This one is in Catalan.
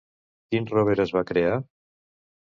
Quin rober es va crear?